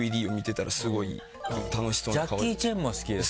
ジャッキー・チェンも好きですか？